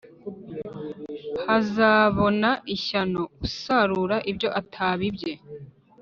Hazabona ishyano usarura ibyo atabibye